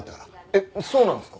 えっそうなんですか！？